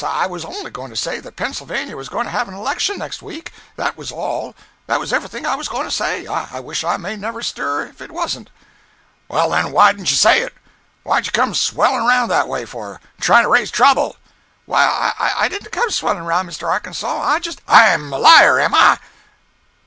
I was only goin' to say that Pennsylvania was goin' to have an election next week—that was all—that was everything I was goin' to say—I wish I may never stir if it wasn't." "Well then why d'n't you say it? What did you come swellin' around that way for, and tryin' to raise trouble?" "Why I didn't come swellin' around, Mr. Arkansas—I just—" "I'm a liar am I!